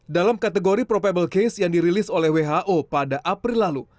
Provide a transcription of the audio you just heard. dalam kategori probable case yang dirilis oleh who pada april lalu